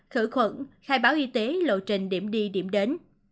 khử khuẩn khai báo y tế lộ trình điểm đi điểm đến